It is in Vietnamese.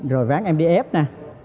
rồi ván mdf nè